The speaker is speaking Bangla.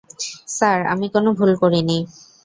স্যার, আমি কোনো ভুল করিনি।